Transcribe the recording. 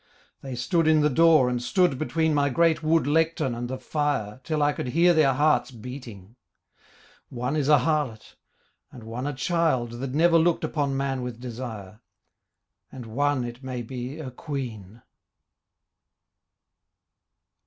They stood in the door and stood between My great wood lecturn and the fire Till I could hear their hearts beating: One is a harlot, and one a child That never looked upon man with desire, And one it may be a queen.